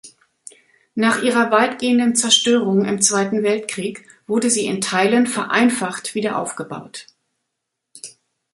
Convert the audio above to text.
Nach ihrer weitgehenden Zerstörung im Zweiten Weltkrieg wurde sie in Teilen vereinfacht wiederaufgebaut.